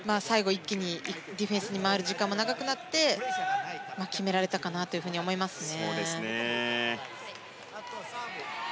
一気にディフェンスに回る時間も長くなって決められたかなと思いますね。